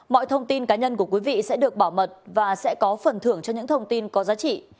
mọi thông tin cá nhân của quý vị sẽ được bảo mật và sẽ có phần thưởng cho những thông tin có giá trị